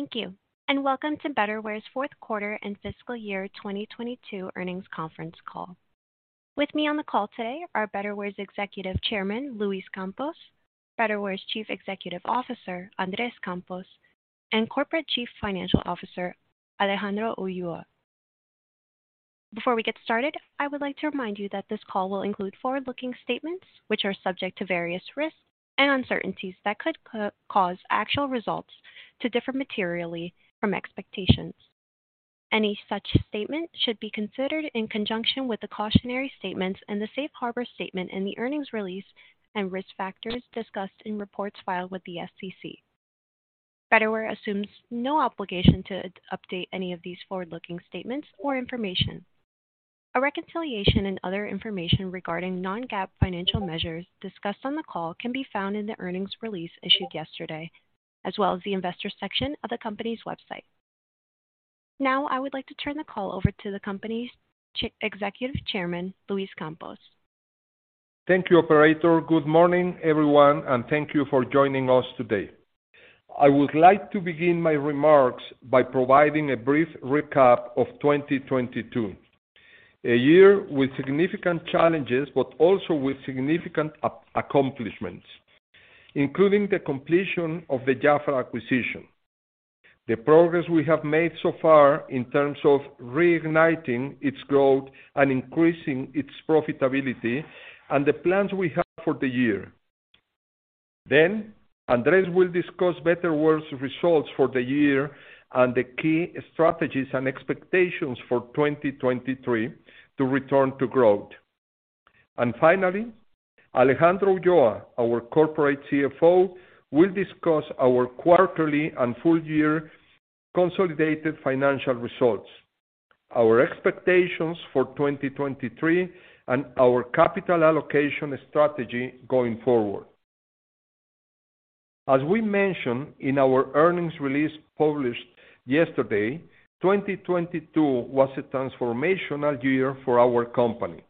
Thank you and welcome to Betterware's fourth quarter and fiscal year 2022 earnings conference call. With me on the call today are Betterware's Executive Chairman, Luis Campos, Betterware's Chief Executive Officer, Andres Campos, and Corporate Chief Financial Officer, Alejandro Ulloa. Before we get started, I would like to remind you that this call will include forward-looking statements which are subject to various risks and uncertainties that could cause actual results to differ materially from expectations. Any such statement should be considered in conjunction with the cautionary statements and the safe harbor statement in the earnings release and risk factors discussed in reports filed with the SEC. Betterware assumes no obligation to update any of these forward-looking statements or information. A reconciliation and other information regarding non-GAAP financial measures discussed on the call can be found in the earnings release issued yesterday, as well as the investors section of the company's website. Now, I would like to turn the call over to the company's Executive Chairman, Luis Campos. Thank you, operator. Good morning, everyone, and thank you for joining us today. I would like to begin my remarks by providing a brief recap of 2022, a year with significant challenges, but also with significant accomplishments, including the completion of the JAFRA acquisition, the progress we have made so far in terms of reigniting its growth and increasing its profitability, and the plans we have for the year. Andres will discuss Betterware's results for the year and the key strategies and expectations for 2023 to return to growth. Finally, Alejandro Ulloa, our Corporate CFO, will discuss our quarterly and full year consolidated financial results, our expectations for 2023, and our capital allocation strategy going forward. As we mentioned in our earnings release published yesterday, 2022 was a transformational year for our company.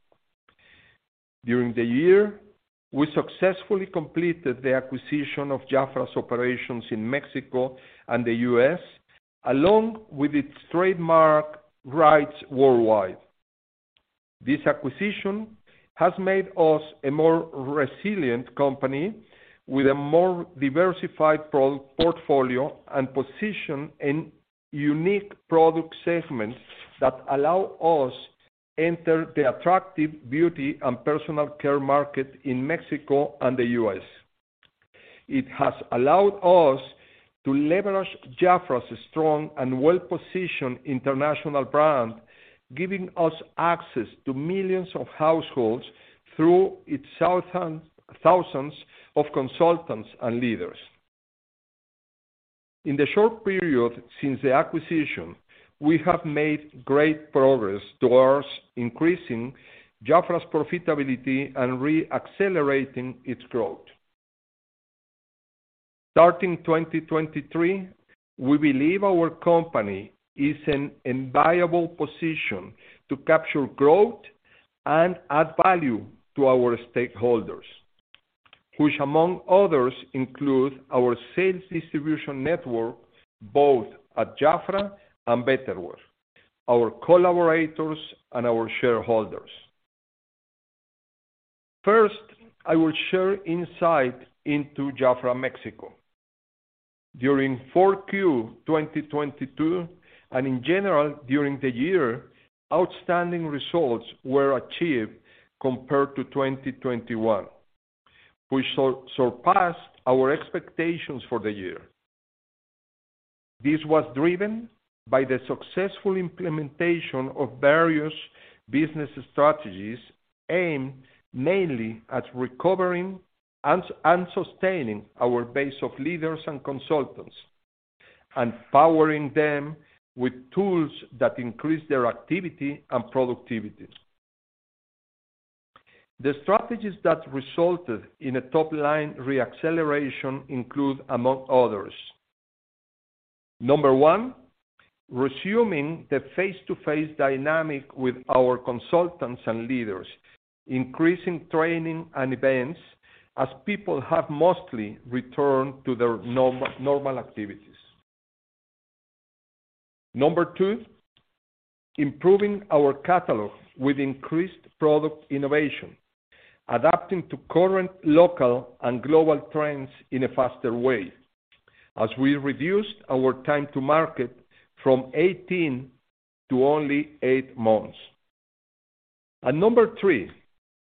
During the year, we successfully completed the acquisition of JAFRA's operations in Mexico and the U.S., along with its trademark rights worldwide. This acquisition has made us a more resilient company with a more diversified pro-portfolio and position in unique product segments that allow us enter the attractive beauty and personal care market in Mexico and the U.S. It has allowed us to leverage JAFRA's strong and well-positioned international brand, giving us access to millions of households through its thousands of consultants and leaders. In the short period since the acquisition, we have made great progress towards increasing JAFRA's profitability and re-accelerating its growth. Starting 2023, we believe our company is in enviable position to capture growth and add value to our stakeholders, which among others, include our sales distribution network, both at JAFRA and Betterware, our collaborators and our shareholders. First, I will share insight into JAFRA Mexico. During 4Q 2022, and in general during the year, outstanding results were achieved compared to 2021, which surpassed our expectations for the year. This was driven by the successful implementation of various business strategies aimed mainly at recovering and sustaining our base of leaders and consultants and powering them with tools that increase their activity and productivity. The strategies that resulted in a top-line re-acceleration include, among others: Number one, resuming the face-to-face dynamic with our consultants and leaders, increasing training and events as people have mostly returned to their normal activities. Number two, improving our catalog with increased product innovation, adapting to current local and global trends in a faster way as we reduced our time to market from 18 to only eight months. Number three,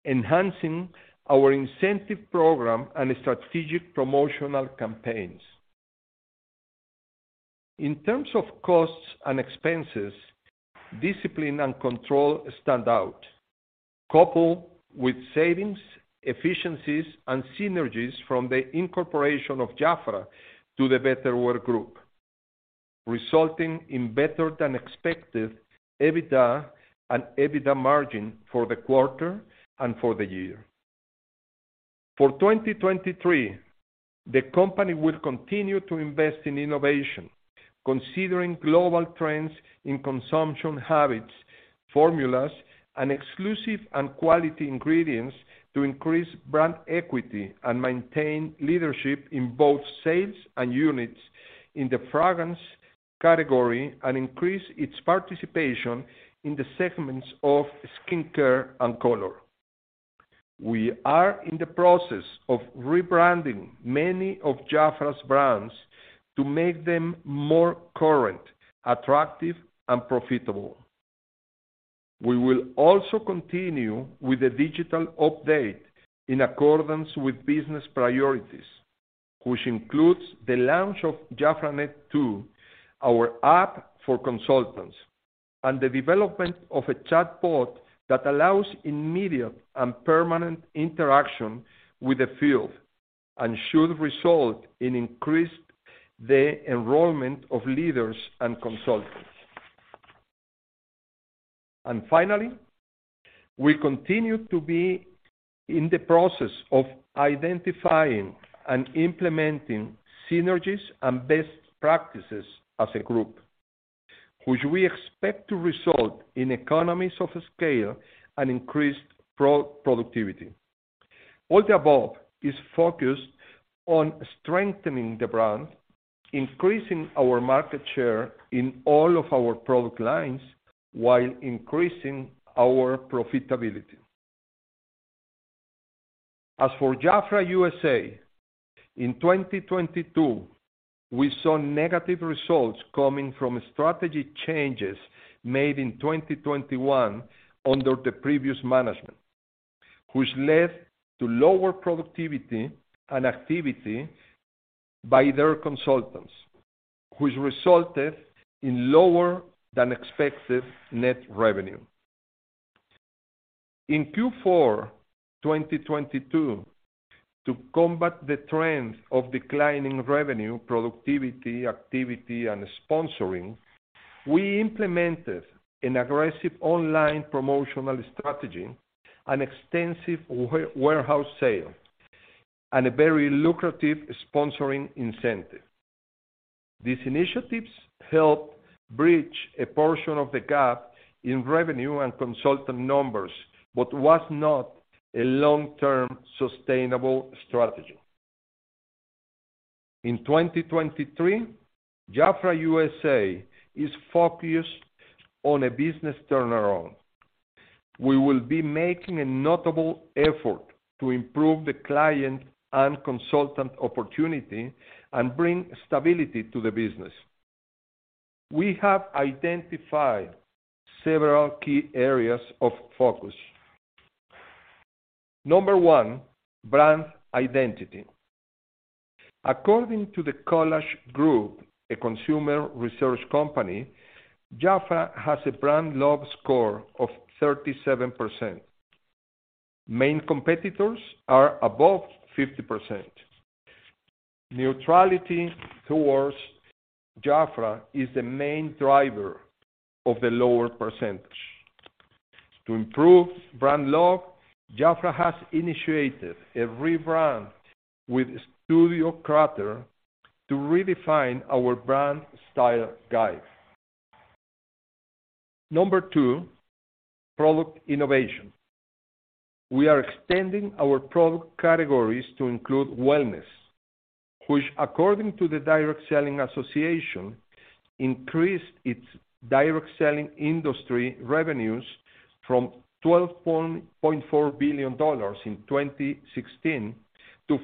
enhancing our incentive program and strategic promotional campaigns. In terms of costs and expenses, discipline and control stand out, coupled with savings, efficiencies, and synergies from the incorporation of JAFRA to the Betterware group, resulting in better than expected EBITDA and EBITDA margin for the quarter and for the year. For 2023, the company will continue to invest in innovation, considering global trends in consumption habits, formulas, and exclusive and quality ingredients to increase brand equity and maintain leadership in both sales and units in the fragrance category and increase its participation in the segments of skincare and color. We are in the process of rebranding many of JAFRA's brands to make them more current, attractive, and profitable. We will also continue with the digital update in accordance with business priorities, which includes the launch of JAFRAnet2, our app for consultants, and the development of a chatbot that allows immediate and permanent interaction with the field and should result in increased the enrollment of leaders and consultants. Finally, we continue to be in the process of identifying and implementing synergies and best practices as a group, which we expect to result in economies of scale and increased pro-productivity. All the above is focused on strengthening the brand, increasing our market share in all of our product lines while increasing our profitability. As for JAFRA USA, in 2022, we saw negative results coming from strategy changes made in 2021 under the previous management, which led to lower productivity and activity by their consultants, which resulted in lower than expected net revenue. In Q4 2022, to combat the trends of declining revenue, productivity, activity, and sponsoring, we implemented an aggressive online promotional strategy, an extensive warehouse sale, and a very lucrative sponsoring incentive. These initiatives helped bridge a portion of the gap in revenue and consultant numbers but was not a long-term sustainable strategy. In 2023, JAFRA USA is focused on a business turnaround. We will be making a notable effort to improve the client and consultant opportunity and bring stability to the business. We have identified several key areas of focus. Number one, brand identity. According to the Collage Group, a consumer research company, JAFRA has a brand love score of 37%. Main competitors are above 50%. Neutrality towards JAFRA is the main driver of the lower percentage. To improve brand love, JAFRA has initiated a rebrand with Studio Crater to redefine our brand style guide. Number two, product innovation. We are extending our product categories to include wellness, which according to the Direct Selling Association, increased its direct selling industry revenues from $12.4 billion in 2016 to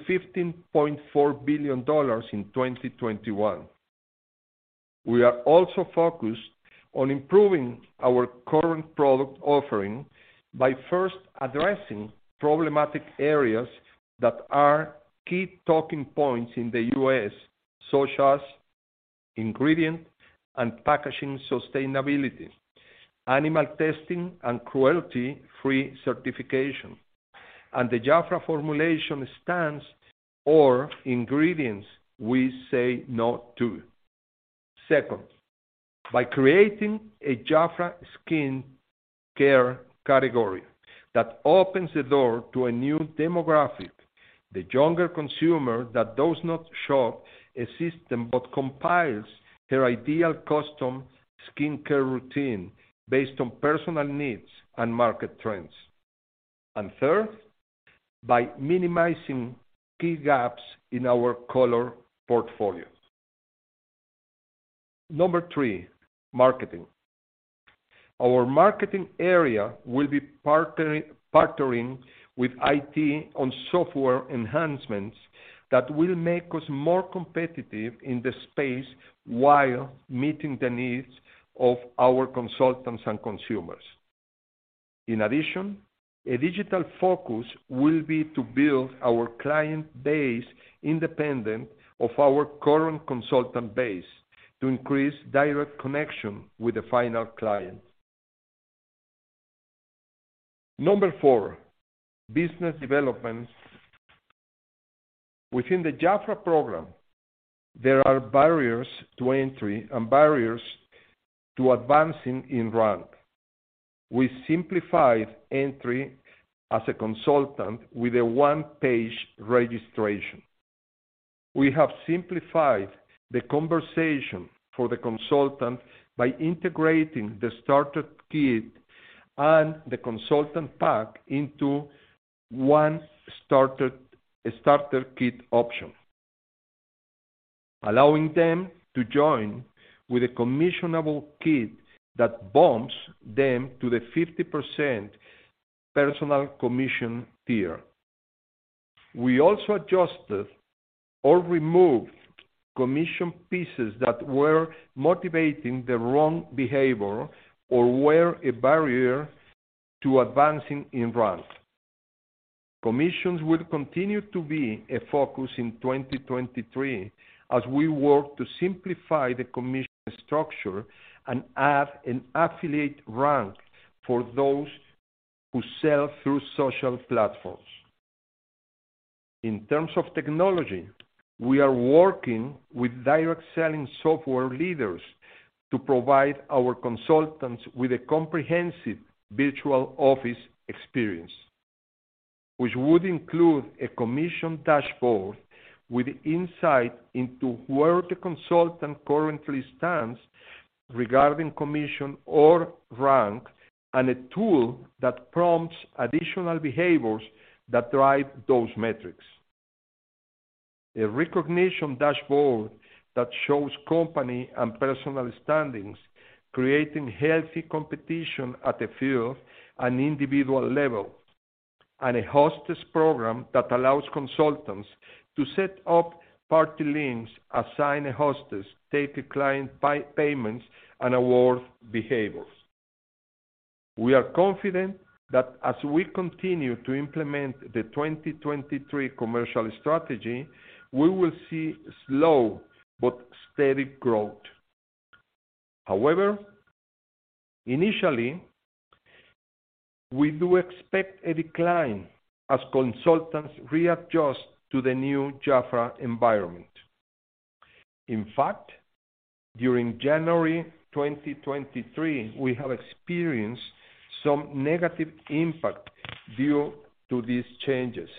$15.4 billion in 2021. We are also focused on improving our current product offering by first addressing problematic areas that are key talking points in the U.S., such as ingredient and packaging sustainability, animal testing and cruelty-free certification, and the JAFRA formulation stance or ingredients we say no to. Second, by creating a JAFRA skincare category that opens the door to a new demographic, the younger consumer that does not shop a system but compiles her ideal custom skincare routine based on personal needs and market trends. Third, by minimizing key gaps in our color portfolio. Number three, marketing. Our marketing area will be partnering with IT on software enhancements that will make us more competitive in the space while meeting the needs of our consultants and consumers. In addition, a digital focus will be to build our client base independent of our current consultant base to increase direct connection with the final client. Number four, business development. Within the JAFRA program, there are barriers to entry and barriers to advancing in rank. We simplified entry as a consultant with a one-page registration. We have simplified the conversation for the consultant by integrating the starter kit and the consultant pack into one starter kit option, allowing them to join with a commissionable kit that bumps them to the 50% personal commission tier. We also adjusted or removed commission pieces that were motivating the wrong behavior or were a barrier to advancing in rank. Commissions will continue to be a focus in 2023 as we work to simplify the commission structure and add an affiliate rank for those who sell through social platforms. In terms of technology, we are working with direct selling software leaders to provide our consultants with a comprehensive virtual office experience, which would include a commission dashboard with insight into where the consultant currently stands regarding commission or rank, and a tool that prompts additional behaviors that drive those metrics. A recognition dashboard that shows company and personal standings, creating healthy competition at the field and individual level. A hostess program that allows consultants to set up party links, assign a hostess, take a client payments, and award behaviors. We are confident that as we continue to implement the 2023 commercial strategy, we will see slow but steady growth. However, initially, we do expect a decline as consultants readjust to the new JAFRA environment. In fact, during January 2023, we have experienced some negative impact due to these changes.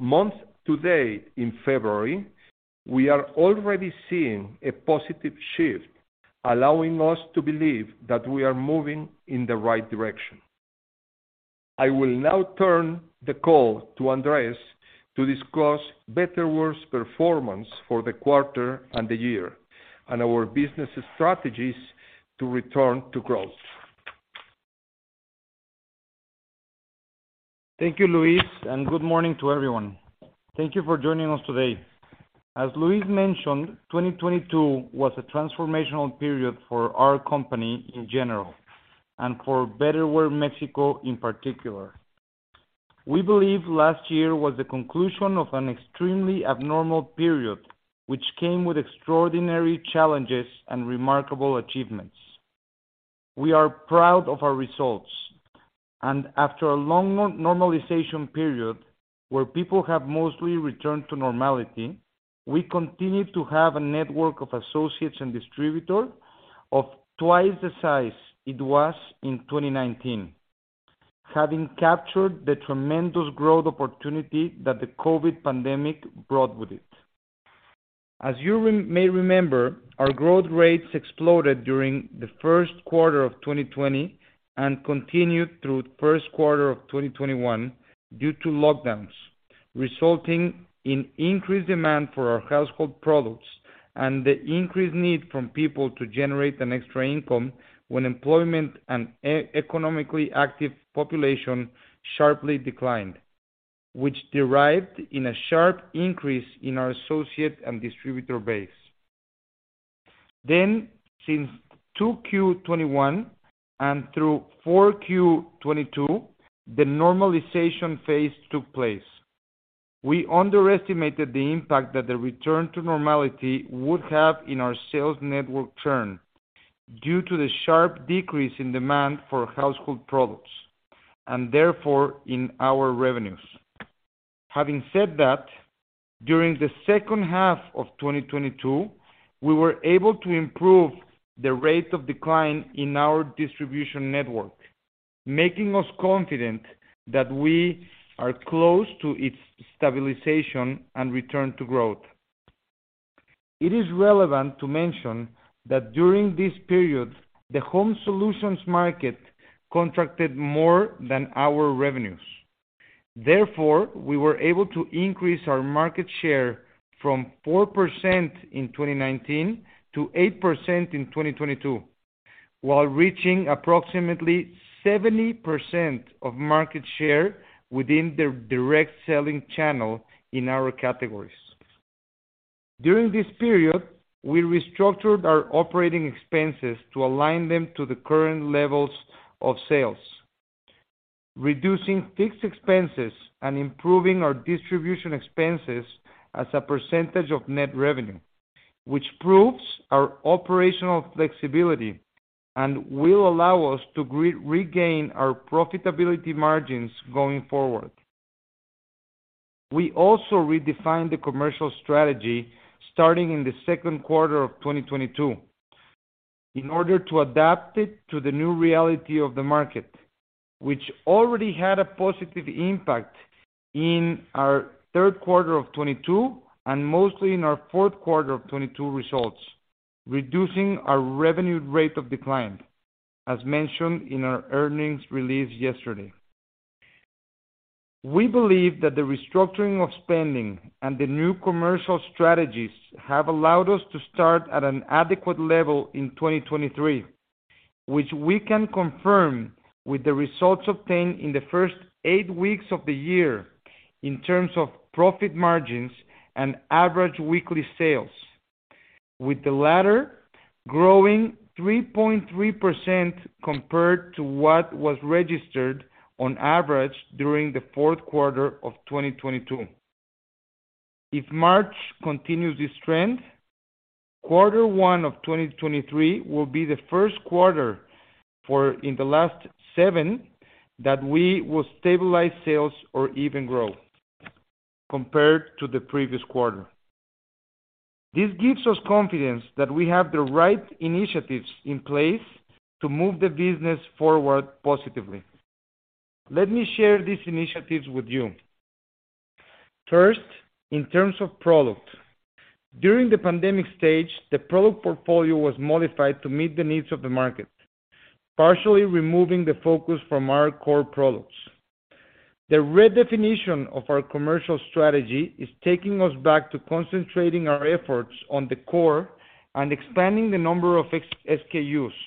Month to date in February, we are already seeing a positive shift, allowing us to believe that we are moving in the right direction. I will now turn the call to Andres to discuss Betterware's performance for the quarter and the year, and our business strategies to return to growth. Thank you, Luis. Good morning to everyone. Thank you for joining us today. As Luis mentioned, 2022 was a transformational period for our company in general, and for Betterware Mexico in particular. We believe last year was the conclusion of an extremely abnormal period, which came with extraordinary challenges and remarkable achievements. We are proud of our results, and after a long normalization period where people have mostly returned to normality, we continue to have a network of associates and distributor of twice the size it was in 2019, having captured the tremendous growth opportunity that the COVID pandemic brought with it. As you may remember, our growth rates exploded during the first quarter of 2020 and continued through first quarter of 2021 due to lockdowns, resulting in increased demand for our household products and the increased need from people to generate an extra income when employment and economically active population sharply declined, which derived in a sharp increase in our associate and distributor base. Since 2Q 2021 and through 4Q 2022, the normalization phase took place. We underestimated the impact that the return to normality would have in our sales network churn due to the sharp decrease in demand for household products, and therefore in our revenues. Having said that, during the second half of 2022, we were able to improve the rate of decline in our distribution network, making us confident that we are close to its stabilization and return to growth. It is relevant to mention that during this period, the home solutions market contracted more than our revenues. We were able to increase our market share from 4% in 2019 to 8% in 2022, while reaching approximately 70% of market share within the direct selling channel in our categories. During this period, we restructured our operating expenses to align them to the current levels of sales, reducing fixed expenses and improving our distribution expenses as a percentage of net revenue, which proves our operational flexibility and will allow us to regain our profitability margins going forward. We also redefined the commercial strategy starting in the second quarter of 2022 in order to adapt it to the new reality of the market, which already had a positive impact in our third quarter of 2022 and mostly in our fourth quarter of 2022 results, reducing our revenue rate of decline, as mentioned in our earnings release yesterday. We believe that the restructuring of spending and the new commercial strategies have allowed us to start at an adequate level in 2023, which we can confirm with the results obtained in the first eight weeks of the year in terms of profit margins and average weekly sales, with the latter growing 3.3% compared to what was registered on average during the fourth quarter of 2022. If March continues this trend, Q1 of 2023 will be the first quarter for in the last seven that we will stabilize sales or even grow compared to the previous quarter. This gives us confidence that we have the right initiatives in place to move the business forward positively. Let me share these initiatives with you. First, in terms of product. During the pandemic stage, the product portfolio was modified to meet the needs of the market, partially removing the focus from our core products. The redefinition of our commercial strategy is taking us back to concentrating our efforts on the core and expanding the number of SKUs.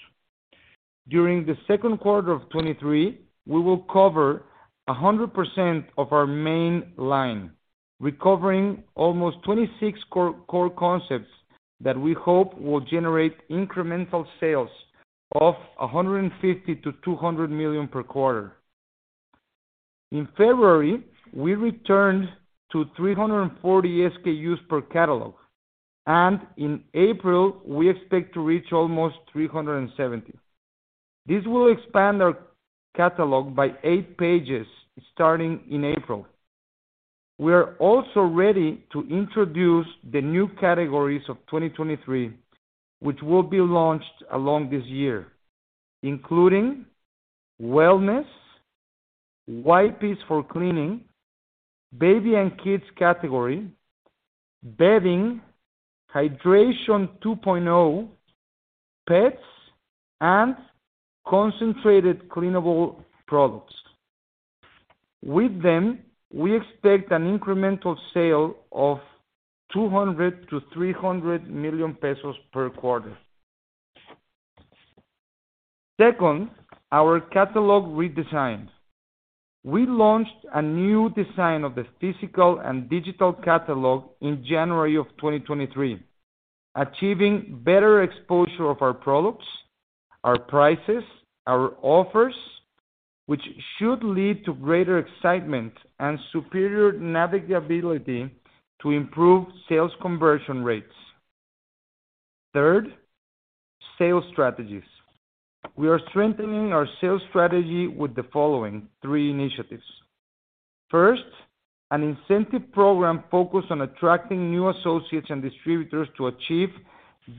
During the second quarter of 2023, we will cover 100% of our main line, recovering almost 26 core concepts that we hope will generate incremental sales of 150 million-200 million per quarter. In February, we returned to 340 SKUs per catalog, and in April, we expect to reach almost 370. This will expand our catalog by eight pages starting in April. We are also ready to introduce the new categories of 2023, which will be launched along this year, including wellness, wipes for cleaning, baby and kids category, bedding, hydration 2.0, pets, and concentrated cleaning products. With them, we expect an incremental sale of 200 million-300 million pesos per quarter. Second, our catalog redesign. We launched a new design of the physical and digital catalog in January of 2023, achieving better exposure of our products, our prices, our offers, which should lead to greater excitement and superior navigability to improve sales conversion rates. Third, sales strategies. We are strengthening our sales strategy with the following three initiatives. First, an incentive program focused on attracting new associates and distributors to achieve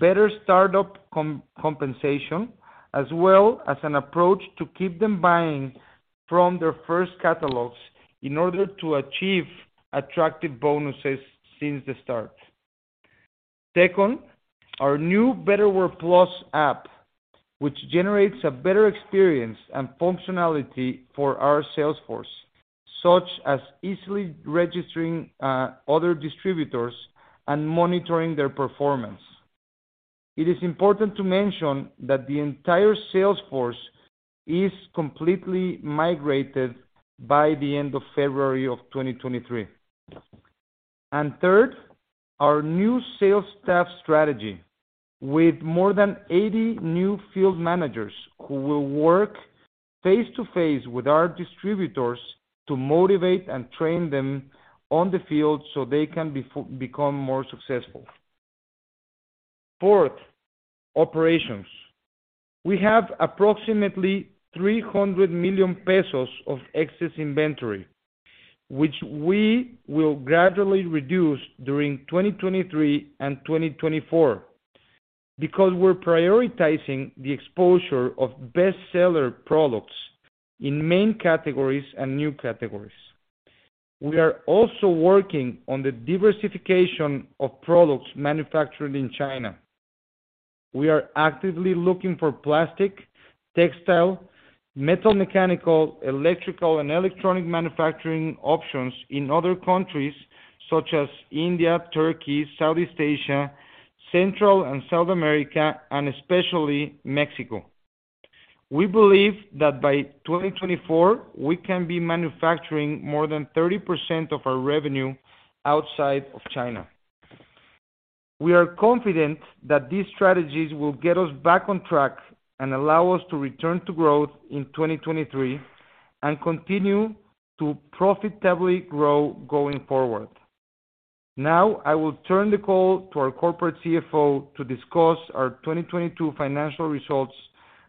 better startup compensation, as well as an approach to keep them buying from their first catalogs in order to achieve attractive bonuses since the start. Second, our new Betterware+ app, which generates a better experience and functionality for our sales force, such as easily registering other distributors and monitoring their performance. It is important to mention that the entire sales force is completely migrated by the end of February of 2023. Third, our new sales staff strategy with more than 80 new field managers who will work face to face with our distributors to motivate and train them on the field so they can become more successful. Fourth, operations. We have approximately 300 million pesos of excess inventory, which we will gradually reduce during 2023 and 2024 because we're prioritizing the exposure of bestseller products in main categories and new categories. We are also working on the diversification of products manufactured in China. We are actively looking for plastic, textile, metal, mechanical, electrical, and electronic manufacturing options in other countries such as India, Turkey, Southeast Asia, Central and South America, and especially Mexico. We believe that by 2024, we can be manufacturing more than 30% of our revenue outside of China. We are confident that these strategies will get us back on track and allow us to return to growth in 2023 and continue to profitably grow going forward. I will turn the call to our Corporate CFO to discuss our 2022 financial results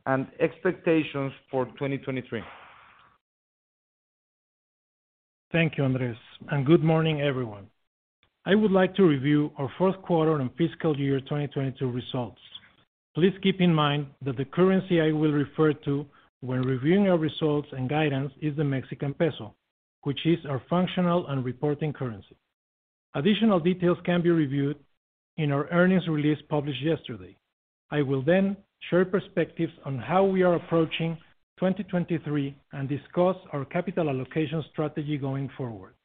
and expectations for 2023. Thank you, Andres. Good morning, everyone. I would like to review our fourth quarter and fiscal year 2022 results. Please keep in mind that the currency I will refer to when reviewing our results and guidance is the Mexican peso, which is our functional and reporting currency. Additional details can be reviewed in our earnings release published yesterday. I will then share perspectives on how we are approaching 2023 and discuss our capital allocation strategy going forward.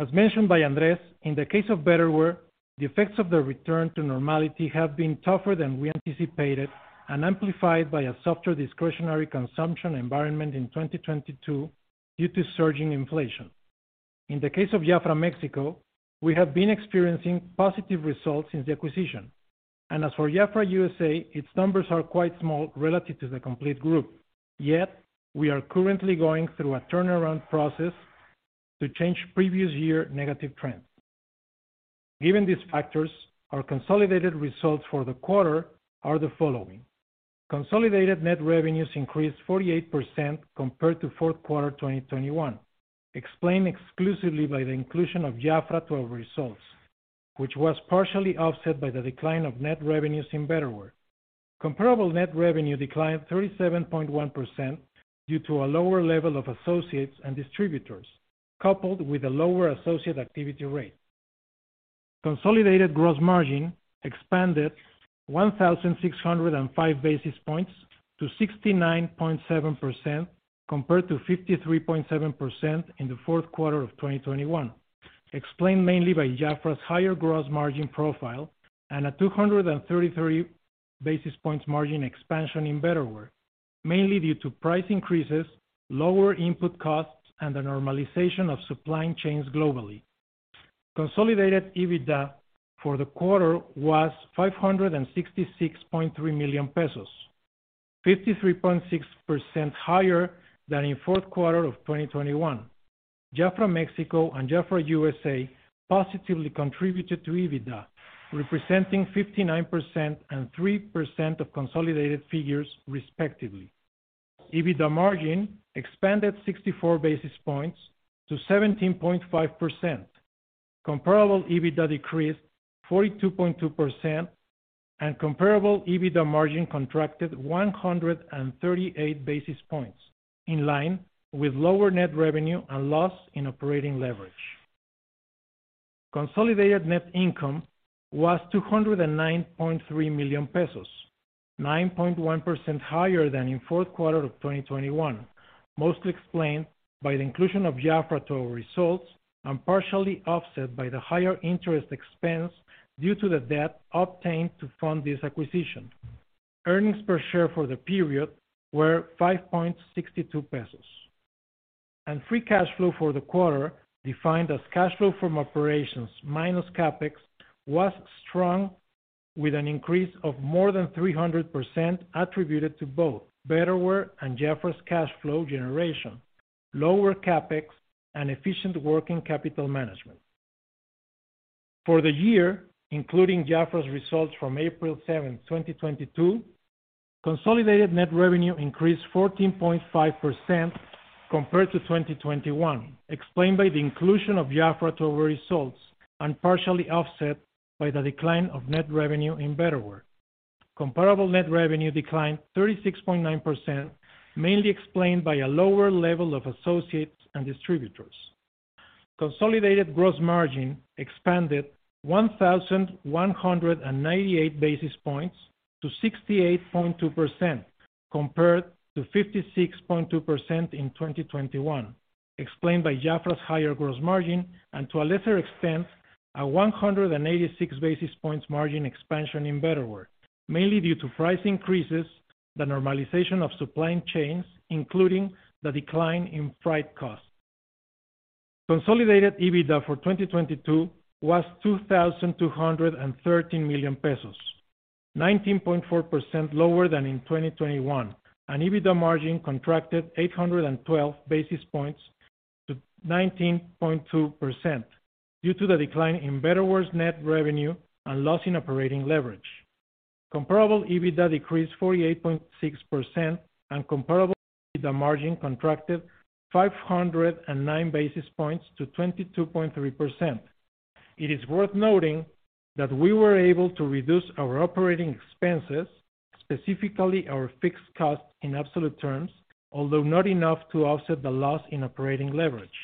As mentioned by Andres, in the case of Betterware, the effects of the return to normality have been tougher than we anticipated and amplified by a softer discretionary consumption environment in 2022 due to surging inflation. In the case of JAFRA Mexico, we have been experiencing positive results since the acquisition. As for JAFRA USA, its numbers are quite small relative to the complete group. We are currently going through a turnaround process to change previous year negative trends. Given these factors, our consolidated results for the quarter are the following. Consolidated net revenues increased 48% compared to fourth quarter 2021, explained exclusively by the inclusion of JAFRA to our results, which was partially offset by the decline of net revenues in Betterware. Comparable net revenue declined 37.1% due to a lower level of associates and distributors, coupled with a lower associate activity rate. Consolidated gross margin expanded 1,605 basis points to 69.7% compared to 53.7% in the fourth quarter of 2021, explained mainly by JAFRA's higher gross margin profile and a 233 basis points margin expansion in Betterware, mainly due to price increases, lower input costs, and the normalization of supply chains globally. Consolidated EBITDA for the quarter was 566.3 million pesos, 53.6% higher than in fourth quarter of 2021. JAFRA Mexico and JAFRA USA positively contributed to EBITDA, representing 59% and 3% of consolidated figures respectively. EBITDA margin expanded 64 basis points to 17.5%. Comparable EBITDA decreased 42.2%, and comparable EBITDA margin contracted 138 basis points, in line with lower net revenue and loss in operating leverage. Consolidated net income was 209.3 million pesos, 9.1% higher than in fourth quarter of 2021, mostly explained by the inclusion of JAFRA to our results and partially offset by the higher interest expense due to the debt obtained to fund this acquisition. Earnings per share for the period were 5.62 pesos. Free cash flow for the quarter, defined as cash flow from operations minus CapEx, was strong with an increase of more than 300% attributed to both Betterware and JAFRA's cash flow generation, lower CapEx, and efficient working capital management. For the year, including JAFRA's results from April 7, 2022, consolidated net revenue increased 14.5% compared to 2021, explained by the inclusion of JAFRA to our results and partially offset by the decline of net revenue in Betterware. Comparable net revenue declined 36.9%, mainly explained by a lower level of associates and distributors. Consolidated gross margin expanded 1,198 basis points to 68.2% compared to 56.2% in 2021, explained by JAFRA's higher gross margin and to a lesser extent, a 186 basis points margin expansion in Betterware, mainly due to price increases, the normalization of supply chains, including the decline in freight costs. Consolidated EBITDA for 2022 was 2,213 million pesos, 19.4% lower than in 2021, and EBITDA margin contracted 812 basis points to 19.2% due to the decline in Betterware's net revenue and loss in operating leverage. Comparable EBITDA decreased 48.6% and comparable EBITDA margin contracted 509 basis points to 22.3%. It is worth noting that we were able to reduce our operating expenses, specifically our fixed cost in absolute terms, although not enough to offset the loss in operating leverage.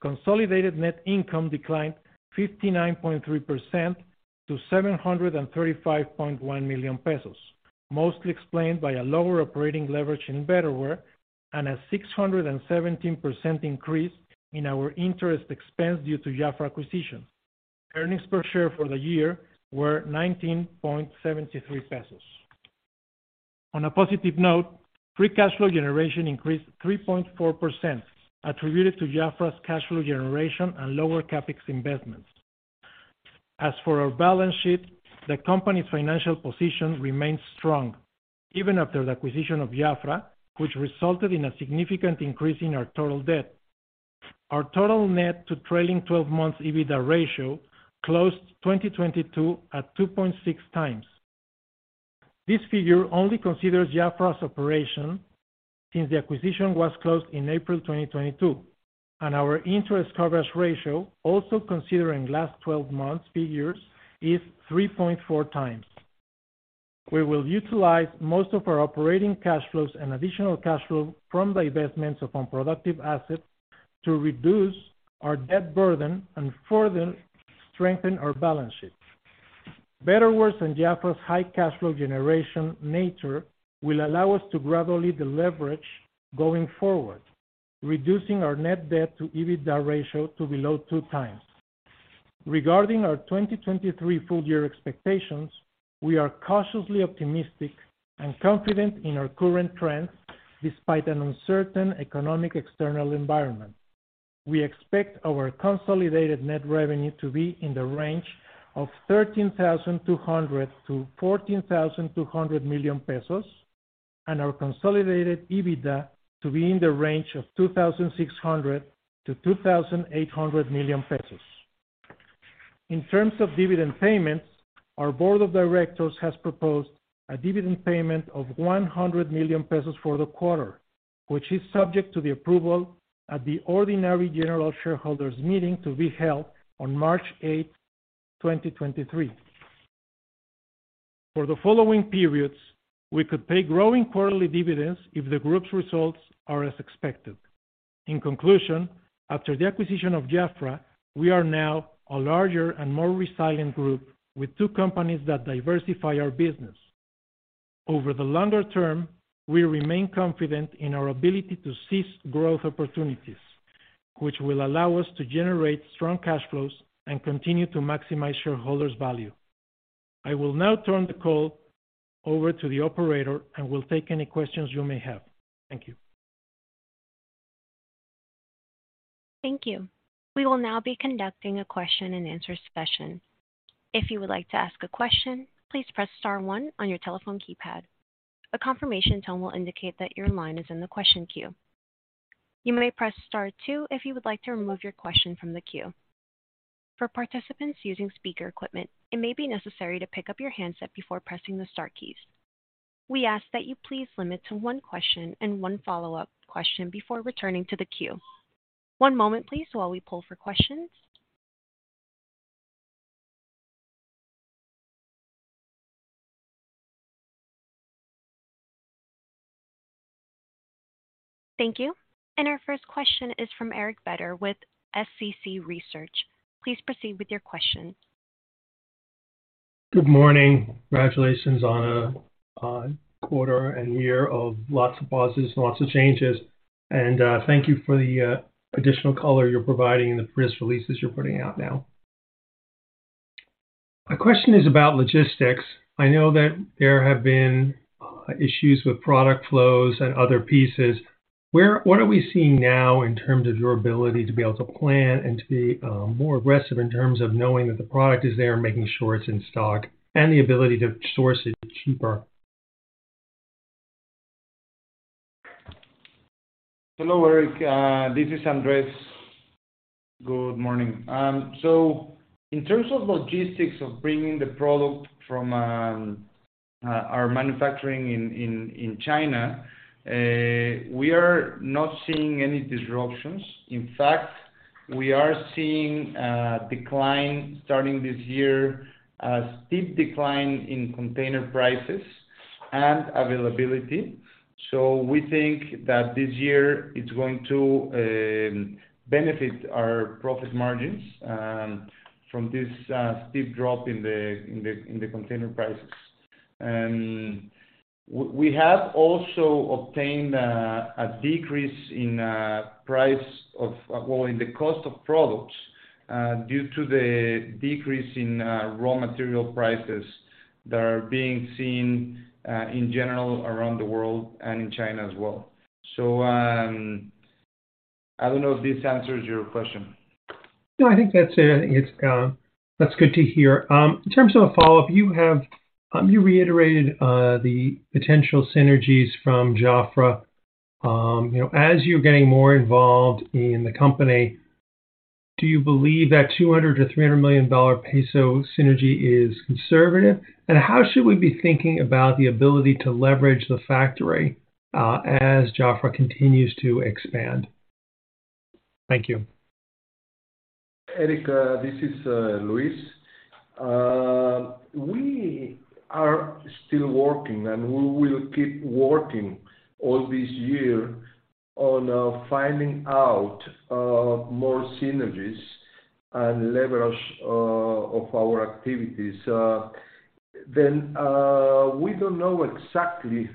Consolidated net income declined 59.3% to 735.1 million pesos, mostly explained by a lower operating leverage in Betterware and a 617% increase in our interest expense due to JAFRA acquisition. Earnings per share for the year were 19.73 pesos. On a positive note, free cash flow generation increased 3.4% attributed to JAFRA's cash flow generation and lower CapEx investments. As for our balance sheet, the company's financial position remains strong even after the acquisition of JAFRA, which resulted in a significant increase in our total debt. Our total net to trailing twelve months EBITDA ratio closed 2022 at 2.6x. This figure only considers JAFRA's operation since the acquisition was closed in April 2022, and our interest coverage ratio, also considering last twelve months figures, is 3.4x. We will utilize most of our operating cash flows and additional cash flow from the investments of unproductive assets to reduce our debt burden and further strengthen our balance sheet. Betterware and JAFRA's high cash flow generation nature will allow us to gradually deleverage going forward, reducing our net debt to EBITDA ratio to below 2x. Regarding our 2023 full year expectations, we are cautiously optimistic and confident in our current trends despite an uncertain economic external environment. We expect our consolidated net revenue to be in the range of 13,200 million-14,200 million pesos, and our consolidated EBITDA to be in the range of 2,600 million-2,800 million pesos. In terms of dividend payments, our board of directors has proposed a dividend payment of 100 million pesos for the quarter, which is subject to the approval at the ordinary general shareholders meeting to be held on March 8, 2023. For the following periods, we could pay growing quarterly dividends if the group's results are as expected. In conclusion, after the acquisition of JAFRA, we are now a larger and more resilient group with two companies that diversify our business. Over the longer term, we remain confident in our ability to seize growth opportunities, which will allow us to generate strong cash flows and continue to maximize shareholders value. I will now turn the call over to the operator and will take any questions you may have. Thank you. Thank you. We will now be conducting a question-and-answer session. If you would like to ask a question, please press star one on your telephone keypad. A confirmation tone will indicate that your line is in the question queue. You may press star two if you would like to remove your question from the queue. For participants using speaker equipment, it may be necessary to pick up your handset before pressing the star keys. We ask that you please limit to one question and one follow-up question before returning to the queue. One moment, please, while we pull for questions. Thank you. Our first question is from Eric Beder with SCC Research. Please proceed with your question. Good morning. Congratulations on a quarter and year of lots of pauses and lots of changes. Thank you for the additional color you're providing and the press releases you're putting out now. My question is about logistics. I know that there have been issues with product flows and other pieces. What are we seeing now in terms of your ability to be able to plan and to be more aggressive in terms of knowing that the product is there, making sure it's in stock, and the ability to source it cheaper? Hello, Eric. This is Andres. Good morning. In terms of logistics of bringing the product from our manufacturing in China, we are not seeing any disruptions. In fact, we are seeing a decline starting this year, a steep decline in container prices and availability. We think that this year it's going to benefit our profit margins from this steep drop in the container prices. We have also obtained a decrease in the cost of products due to the decrease in raw material prices that are being seen in general around the world and in China as well. I don't know if this answers your question. No, I think that's, it's, that's good to hear. In terms of a follow-up, you reiterated, the potential synergies from JAFRA. You know, as you're getting more involved in the company, do you believe that MXN 200 million-MXN 300 million synergy is conservative? How should we be thinking about the ability to leverage the factory, as JAFRA continues to expand? Thank you. Eric, this is Luis. We are still working, and we will keep working all this year on finding out more synergies and leverage of our activities. We don't know exactly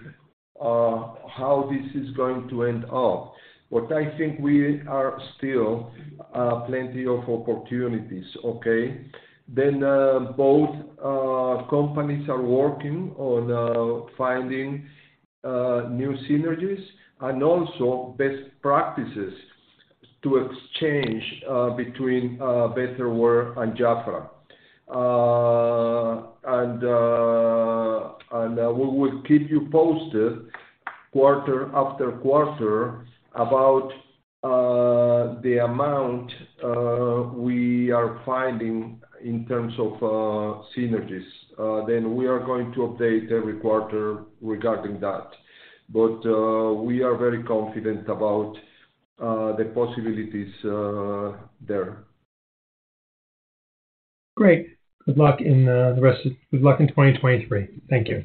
how this is going to end up. What I think we are still plenty of opportunities, okay? Both companies are working on finding new synergies and also best practices to exchange between Betterware and JAFRA. We will keep you posted. Quarter after quarter about the amount we are finding in terms of synergies, then we are going to update every quarter regarding that. We are very confident about the possibilities there. Great. Good luck in 2023. Thank you.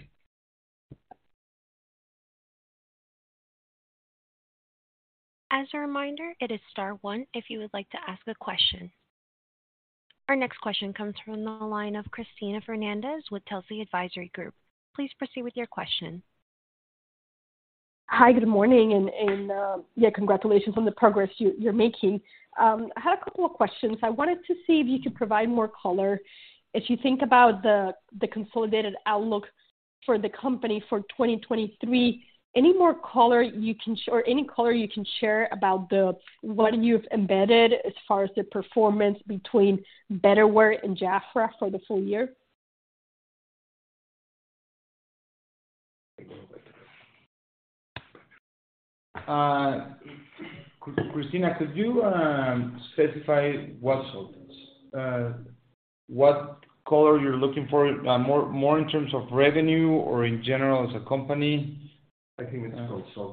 As a reminder, it is star one if you would like to ask a question. Our next question comes from the line of Cristina Fernández with Telsey Advisory Group. Please proceed with your question. Hi. Good morning, and, yeah, congratulations on the progress you're making. I had a couple of questions. I wanted to see if you could provide more color. If you think about the consolidated outlook for the company for 2023, any color you can share about the, what you've embedded as far as the performance between Betterware and JAFRA for the full year? Cristina, could you specify what sort of, what color you're looking for? More in terms of revenue or in general as a company?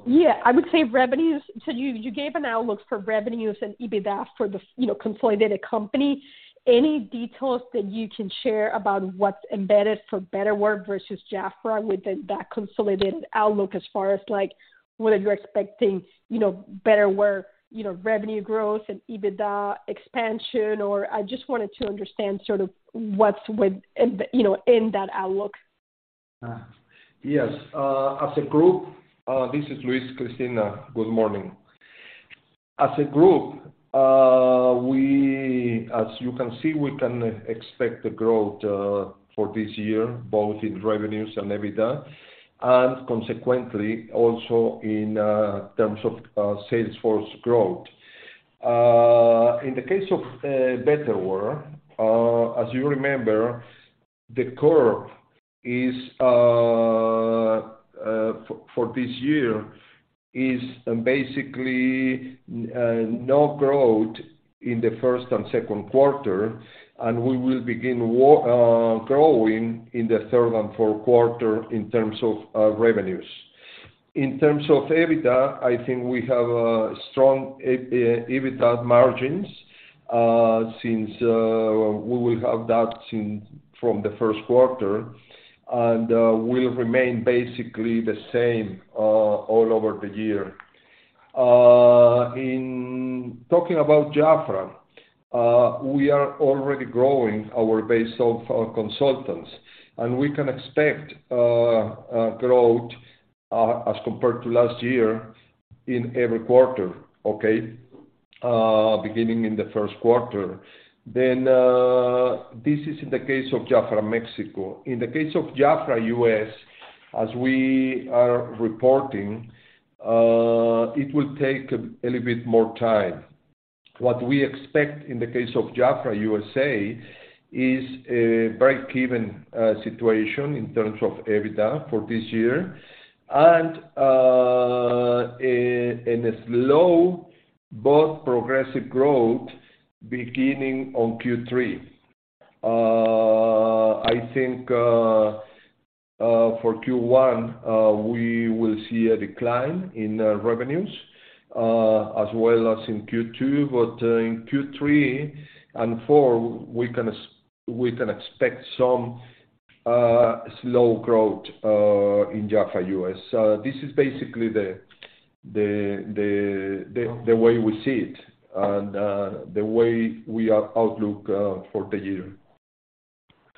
Yeah. I would say revenues. You gave an outlook for revenues and EBITDA for the you know, consolidated company. Any details that you can share about what's embedded for Betterware versus JAFRA within that consolidated outlook as far as, like, whether you're expecting, you know, Betterware, you know, revenue growth and EBITDA expansion or. I just wanted to understand sort of what's with, you know, in that outlook. Yes. As a group, this is Luis, Cristina. Good morning. As a group, as you can see, we can expect the growth for this year, both in revenues and EBITDA, and consequently also in terms of sales force growth. In the case of Betterware, as you remember, the curve is for this year is basically no growth in the first and second quarter, and we will begin growing in the third and fourth quarter in terms of revenues. In terms of EBITDA, I think we have strong EBITDA margins, since we will have that since from the first quarter, and will remain basically the same all over the year. In talking about JAFRA, we are already growing our base of consultants, and we can expect growth as compared to last year in every quarter, okay? Beginning in the first quarter. This is in the case of JAFRA Mexico. In the case of JAFRA U.S., as we are reporting, it will take a little bit more time. What we expect in the case of JAFRA USA is a break-even situation in terms of EBITDA for this year, and a slow but progressive growth beginning on Q3. I think for Q1, we will see a decline in revenues as well as in Q2. In Q3 and Q4, we can expect some slow growth in JAFRA U.S. This is basically the way we see it and the way we are outlook for the year.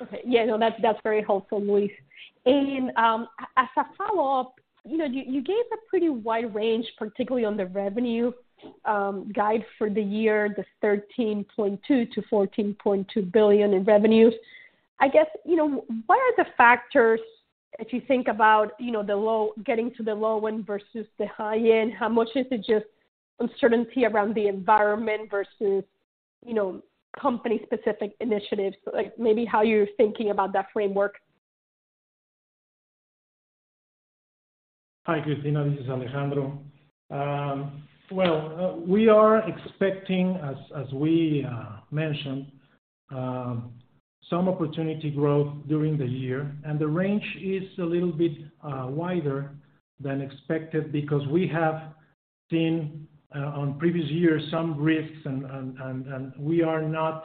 Okay. Yeah, no. That's, that's very helpful, Luis. As a follow-up, you know, you gave a pretty wide range, particularly on the revenue guide for the year, this 13.2 billion-14.2 billion in revenues. I guess, you know, what are the factors as you think about, you know, getting to the low end versus the high end? How much is it just uncertainty around the environment versus, you know, company-specific initiatives? Like, maybe how you're thinking about that framework. Hi, Cristina. This is Alejandro. Well, we are expecting as we mentioned, some opportunity growth during the year. The range is a little bit wider than expected because we have seen on previous years some risks and we are not.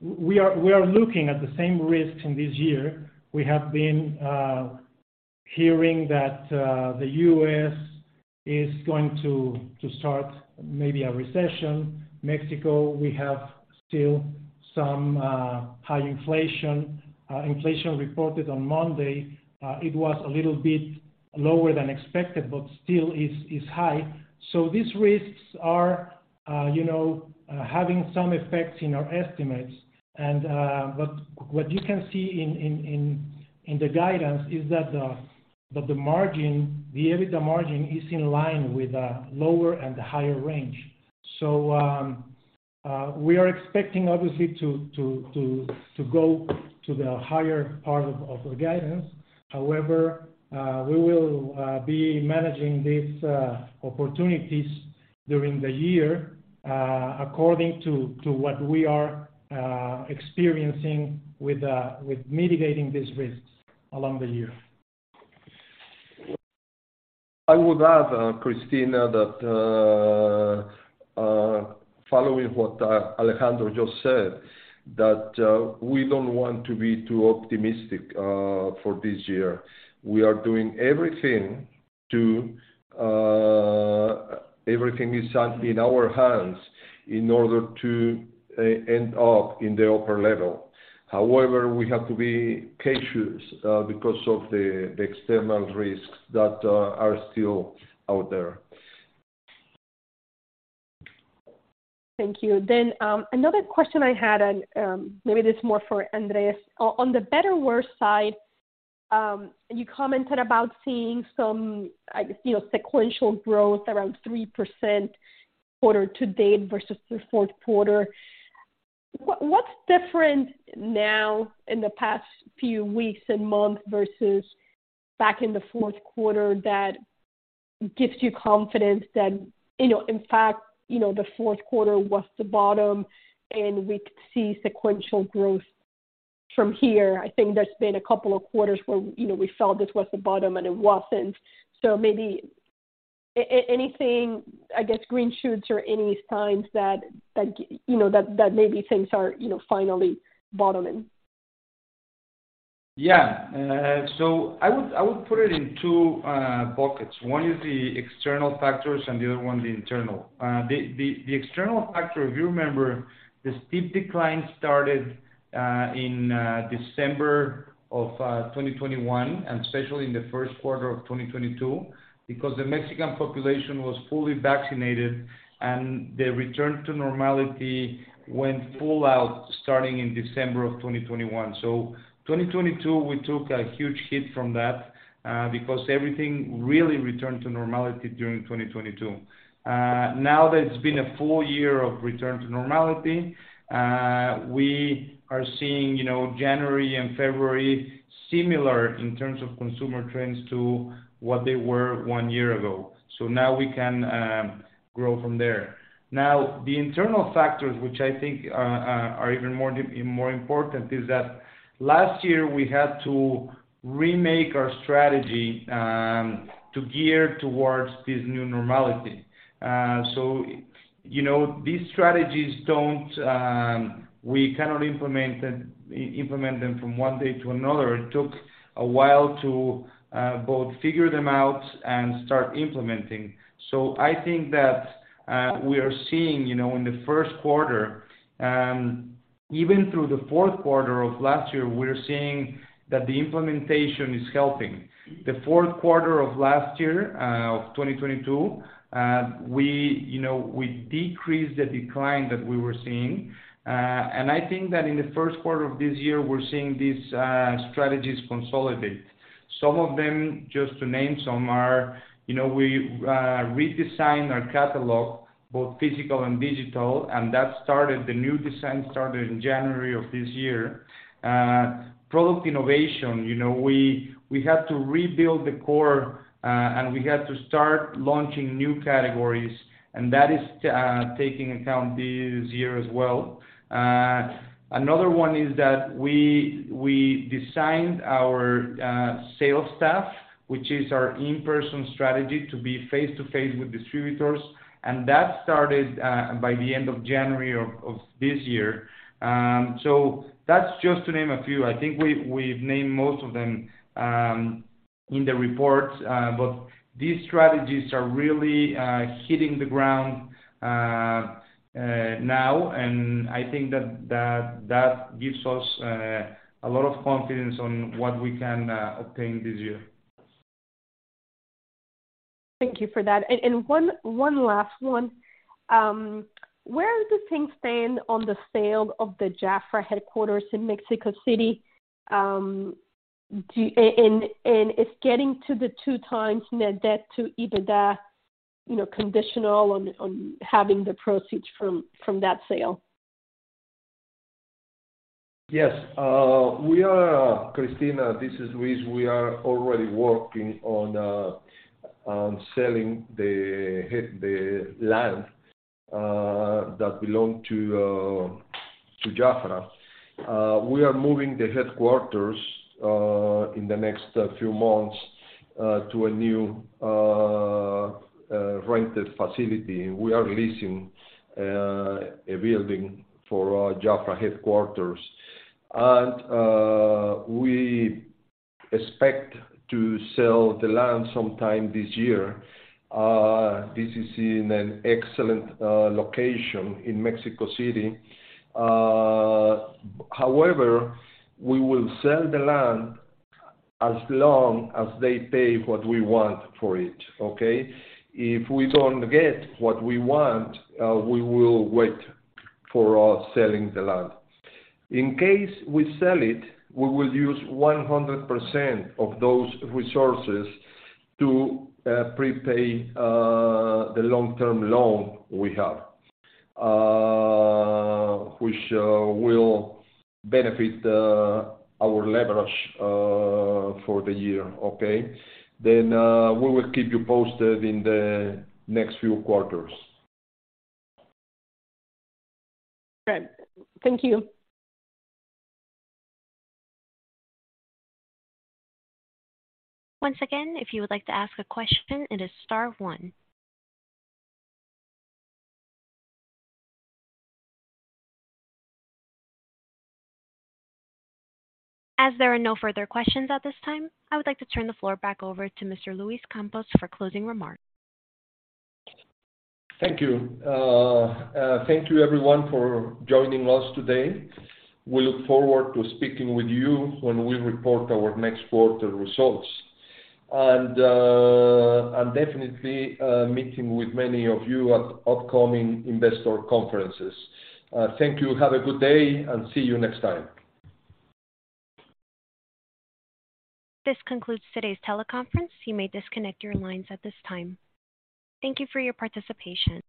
We are looking at the same risks in this year. We have been hearing that the U.S. is going to start maybe a recession. Mexico, we have still some high inflation. Inflation reported on Monday, it was a little bit lower than expected, but still is high. These risks are, you know, having some effects in our estimates. But what you can see in the guidance is that the margin, the EBITDA margin is in line with the lower and the higher range. We are expecting obviously to go to the higher part of the guidance. However, we will be managing these opportunities during the year, according to what we are experiencing with mitigating these risks along the year. I would add, Cristina, that following what Alejandro just said, that we don't want to be too optimistic for this year. We are doing everything to everything is in our hands in order to end up in the upper level. However, we have to be cautious because of the external risks that are still out there. Thank you. Another question I had, maybe this is more for Andres. On the Betterware side, you commented about seeing some, I guess, you know, sequential growth around 3% quarter to date versus the fourth quarter. What's different now in the past few weeks and month versus back in the fourth quarter that gives you confidence that, you know, in fact, you know, the fourth quarter was the bottom and we could see sequential growth from here? I think there's been a couple of quarters where, you know, we felt this was the bottom and it wasn't. Maybe anything, I guess, green shoots or any signs that, you know, that maybe things are, you know, finally bottoming. Yeah. I would put it in two buckets. One is the external factors and the other one the internal. The external factor, if you remember, the steep decline started in December of 2021, and especially in the first quarter of 2022, because the Mexican population was fully vaccinated and the return to normality went full out starting in December of 2021. 2022, we took a huge hit from that, because everything really returned to normality during 2022. Now that it's been a full year of return to normality, we are seeing, you know, January and February similar in terms of consumer trends to what they were one year ago. Now we can grow from there. The internal factors, which I think are even more important, is that last year we had to remake our strategy to gear towards this new normality. You know, these strategies don't... We cannot implement them from one day to another. It took a while to both figure them out and start implementing. I think that, we are seeing, you know, in the first quarter, even through the fourth quarter of last year, we're seeing that the implementation is helping. The fourth quarter of last year, of 2022, we, you know, we decreased the decline that we were seeing. I think that in the first quarter of this year, we're seeing these strategies consolidate. Some of them, just to name some, are, you know, we redesigned our catalog, both physical and digital, and that started, the new design started in January of this year. Product innovation, you know, we had to rebuild the core, and we had to start launching new categories, and that is taking account this year as well. Another one is that we designed our sales staff, which is our in-person strategy to be face-to-face with distributors, and that started by the end of January of this year. That's just to name a few. I think we've named most of them, in the report, but these strategies are really hitting the ground now. I think that gives us a lot of confidence on what we can obtain this year. Thank you for that. One last one. Where do things stand on the sale of the JAFRA headquarters in Mexico City? Is getting to the 2x net debt to EBITDA, you know, conditional on having the proceeds from that sale? Yes. We are, Cristina, this is Luis. We are already working on selling the land that belong to JAFRA. We are moving the headquarters in the next few months to a new rented facility. We are leasing a building for our JAFRA headquarters. We expect to sell the land sometime this year. This is in an excellent location in Mexico City. However, we will sell the land as long as they pay what we want for it, okay? If we don't get what we want, we will wait for selling the land. In case we sell it, we will use 100% of those resources to prepay the long-term loan we have, which will benefit our leverage for the year, okay? We will keep you posted in the next few quarters. Great. Thank you. Once again, if you would like to ask a question, it is star one. As there are no further questions at this time, I would like to turn the floor back over to Mr. Luis Campos for closing remarks. Thank you. Thank you everyone for joining us today. We look forward to speaking with you when we report our next quarter results. Definitely, meeting with many of you at upcoming investor conferences. Thank you. Have a good day, and see you next time. This concludes today's teleconference. You may disconnect your lines at this time. Thank you for your participation.